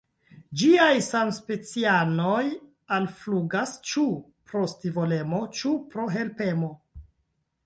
Ĝiaj samspecianoj alflugas ĉu pro scivolemo, ĉu pro helpemo.